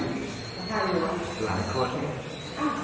อีกหลายหลายคอดเนี้ยอ้าว